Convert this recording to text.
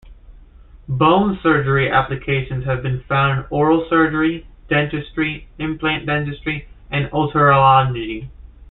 Bone surgery applications have been found in oral surgery, dentistry, implant dentistry, and otolaryngology.